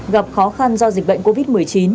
gặp khó khăn do dịch bệnh covid một mươi chín